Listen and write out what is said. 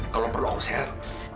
kalau perlu aku serah